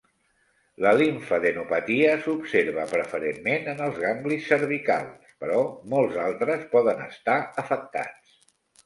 La limfadenopatia s'observa preferentment en els ganglis cervicals, però molts altres poden estar afectats.